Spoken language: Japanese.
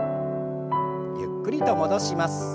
ゆっくりと戻します。